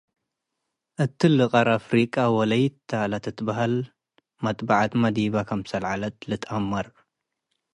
እትሊ ቀር-አፍሪቃ አወላይት ተ ለትትበሀል መጥበዐትመ ዲበ ክምሰል ዐለት ልትአመር ።